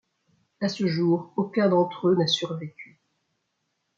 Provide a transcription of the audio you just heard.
À ce jour, aucun d'entre eux n'a survécu.